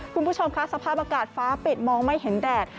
คุณผู้ชมค่ะสภาพอากาศฟ้าปิดมองไม่เห็นแดด